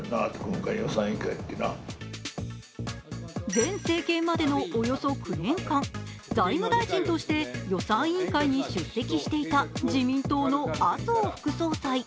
前政権までのおよそ９年間、財務大臣として予算委員会に出席していた自民党の麻生副総裁。